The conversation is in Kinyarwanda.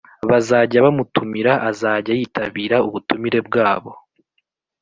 bazajya bamutumira azajya yitabira ubutumire bwabo.